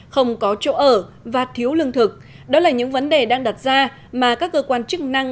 không có chỗ ở và thiếu lương thực đó là những vấn đề đang đặt ra mà các cơ quan chức năng